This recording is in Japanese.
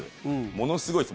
ものすごいです。